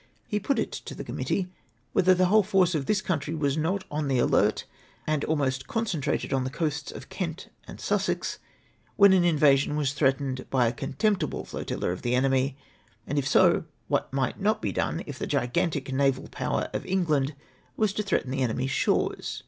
He put it to the committee, whether the whole force of this country was not on the alert, and almost con centrated on the coasts of Kent and Sussex, when an invasion was threatened by a contemptible flotilla of the enemy ; and if so, what might not be done, if the gigantic naval power of England was to threaten the enemy's shores